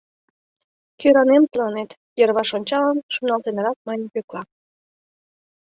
— Кӧранем тыланет, — йырваш ончалын, шоналтенрак мане Пӧкла.